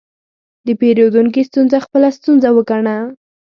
د پیرودونکي ستونزه خپله ستونزه وګڼه.